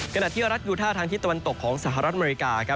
ขณะที่รัฐยูท่าทางที่ตะวันตกของสหรัฐอเมริกา